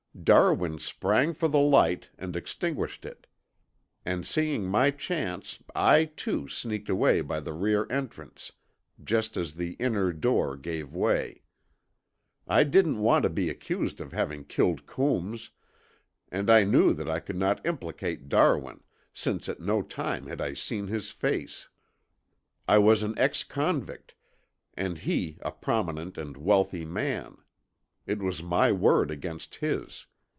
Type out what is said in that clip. Darwin sprang for the light and extinguished it, and seeing my chance I, too, sneaked away by the rear entrance just as the inner door gave way. I didn't want to be accused of having killed Coombs, and I knew that I could not implicate Darwin, since at no time had I seen his face. I was an ex convict, and he a prominent and wealthy man. It was my word against his.